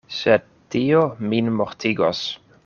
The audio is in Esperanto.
Sed tio min mortigos.